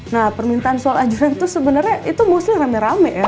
nah permintaan soal ajudan itu sebenernya itu mostly rame rame ya